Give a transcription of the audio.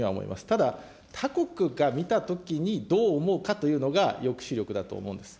ただ、他国が見たときにどう思うかというのが抑止力だと思うんです。